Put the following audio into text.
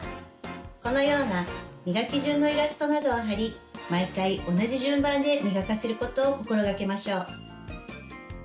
このような磨き順のイラストなどを貼り毎回同じ順番で磨かせることを心がけましょう。